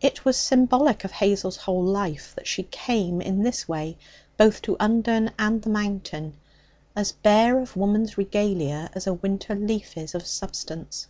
It was symbolic of Hazel's whole life that she came in this way both to Undern and the Mountain as bare of woman's regalia as a winter leaf is of substance.